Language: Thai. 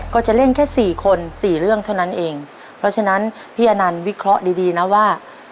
ก็จะเล่นแค่สี่คนสี่เรื่องเท่านั้นเองเพราะฉะนั้นพี่อนันต์วิเคราะห์ดีดีนะว่า